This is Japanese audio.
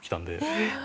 えっ。